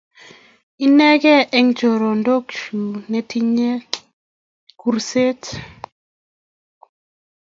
inegei eng chorondoikchu netinyei kurset